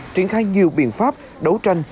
triển khai nhiều biện pháp đấu tranh